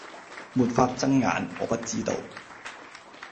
沒法睜眼，我不知道。